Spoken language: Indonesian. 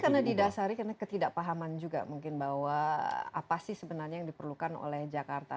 karena didasari karena ketidakpahaman juga mungkin bahwa apa sih sebenarnya yang diperlukan oleh jakarta